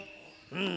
うん。